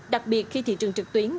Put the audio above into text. đặc biệt khi thị trường trực tuyến